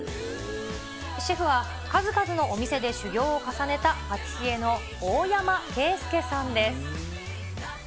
シェフは数々のお店で修業を重ねた、パティシエの大山恵介さんです。